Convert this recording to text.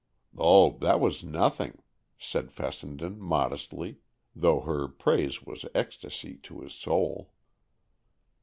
"Oh, that was nothing," said Fessenden modestly, though her praise was ecstasy to his soul.